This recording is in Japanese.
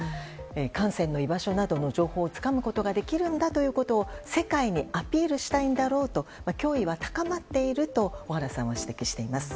艦船の居場所などの情報をつかむことができるんだと世界にアピールしたいんだろうと脅威は高まっていると小原さんは指摘しています。